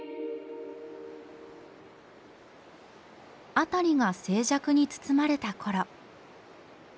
辺りが静寂に包まれた頃。